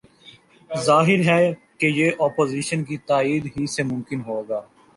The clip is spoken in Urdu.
ظاہر ہے کہ یہ اپوزیشن کی تائید ہی سے ممکن ہو گا۔